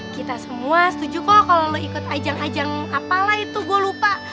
kita semua setuju kok kalau lo ikut ajang ajang apalah itu gue lupa